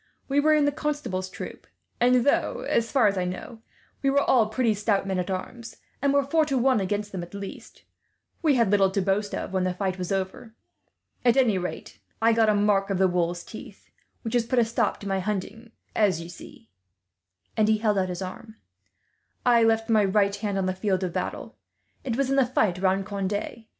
We were in the Constable's troop; and though, as far as I know, we were all pretty stout men at arms, and were four to one against them at least, we had little to boast of when the fight was over. "At any rate, I got a mark of the wolves' teeth, which has put a stop to my hunting, as you see," and he held out his arm. "I left my right hand on the field of battle. It was in the fight round Conde.